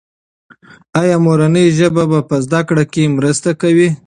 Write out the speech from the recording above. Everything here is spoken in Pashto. ایا مورنۍ ژبه په زده کړه کې مرسته کوي؟